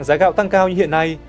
giá gạo tăng cao như hiện nay